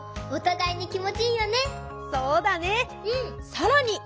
さらに！